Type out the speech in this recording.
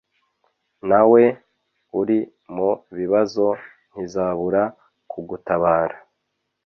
Nawe uri mu bibazo ntizabura kugutabara